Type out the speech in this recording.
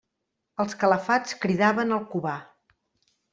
Els calafats cridaven el Cubà.